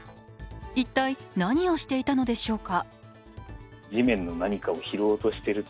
一体、何をしていたのでしょうか。